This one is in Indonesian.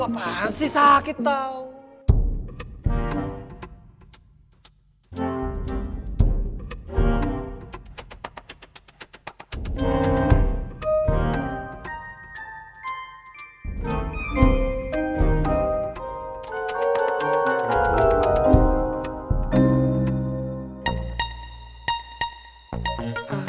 apaan sih sakit tau